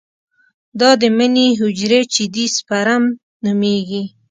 دا د مني حجرې چې دي سپرم نومېږي.